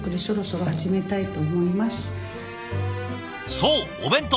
そうお弁当。